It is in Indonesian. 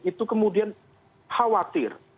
itu kemudian khawatir